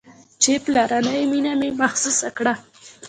چې پلرنۍ مينه مې محسوسه کړه.